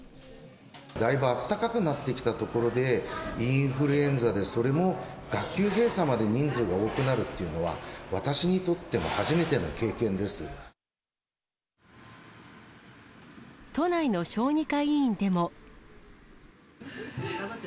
だいぶあったかくなってきたところで、インフルエンザで、それも学級閉鎖まで人数が多くなるっていうのは、私にとっても初都内の小児科医院でも。